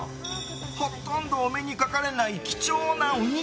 ほとんどお目にかかれない貴重なお肉。